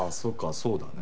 そうだね。